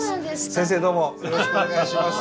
先生どうもよろしくお願いします。